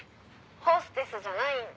「ホステスじゃないんで」